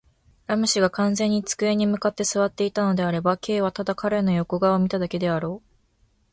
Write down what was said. ラム氏が完全に机に向って坐っていたのであれば、Ｋ はただ彼の横顔を見ただけであろう。